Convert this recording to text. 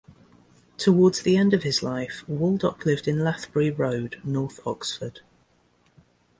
Towards the end of his life, Waldock lived in Lathbury Road, North Oxford.